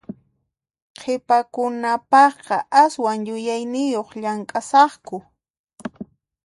Qhipakunapaqqa aswan yuyayniyuq llamk'asaqku.